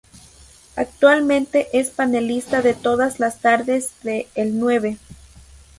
Actualmente es panelista de "Todas las tardes" de El Nueve.